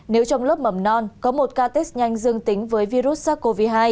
nếu trong lớp mầm non có một ca test nhanh dương tính với virus sars cov hai